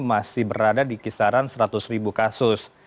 masih berada di kisaran seratus ribu kasus